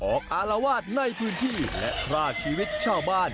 อารวาสในพื้นที่และพรากชีวิตชาวบ้าน